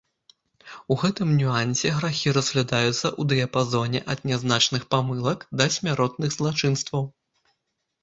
У гэтым нюансе грахі разглядаюцца ў дыяпазоне ад нязначных памылак да смяротных злачынстваў.